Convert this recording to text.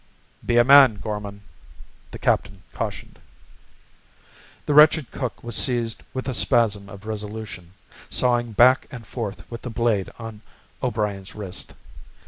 "Be a man, Gorman," the captain cautioned. The wretched cook was seized with a spasm of resolution, sawing back and forth with the blade on O'Brien's wrist.